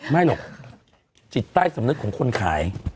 ไม่หรอกจิตใต้สำนึกของคนขาย